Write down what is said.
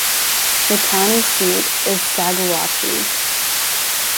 The county seat is Saguache.